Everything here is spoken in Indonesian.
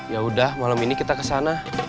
ya udah malam ini kita kesana